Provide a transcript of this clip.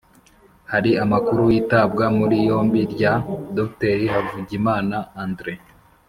hari amakuru y’itabwa muri yombi rya dr havugimana andre